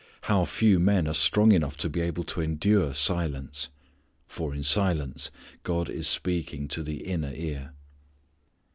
How few men are strong enough to be able to endure silence. For in silence God is speaking to the inner ear.